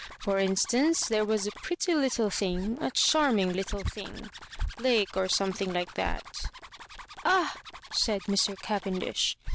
For instance, there was a pretty little thing — a charming little thing — Lake, or some thing like that "'' Ah I" said Mr. Cavendish.